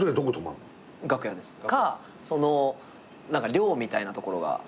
寮みたいなところが。